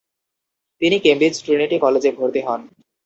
তিনি Cambridge Trinity কলেজে ভর্তি হন।